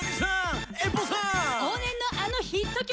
往年のあのヒット曲。